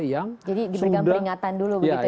yang sudah diperingatkan